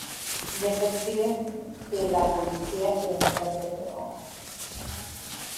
Detective de la policía y amiga de León.